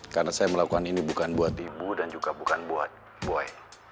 karena saya melakukan ini bukan buat ibu dan juga bukan buat boy